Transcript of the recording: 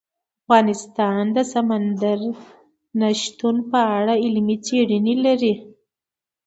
افغانستان د سمندر نه شتون په اړه علمي څېړنې لري.